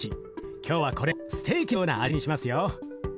今日はこれをステーキのような味にしますよ。